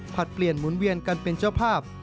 เปลี่ยนหมุนเวียนกันเป็นเจ้าภาพ